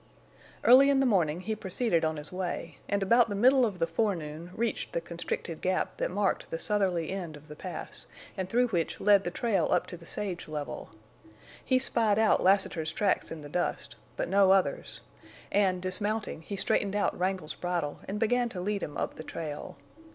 Early in the morning he proceeded on his way, and about the middle of the forenoon reached the constricted gap that marked the southerly end of the Pass, and through which led the trail up to the sage level. He spied out Lassiter's tracks in the dust, but no others, and dismounting, he straightened out Wrangle's bridle and began to lead him up the trail.